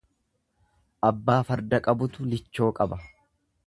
Abbaa farda qabutu lichoo qaba.